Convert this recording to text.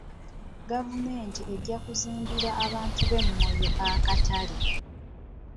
Gavumenti ejja kuzimbira abantu b'e Moyo akatale.